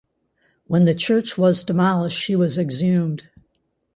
When the church was demolished she was exhumed.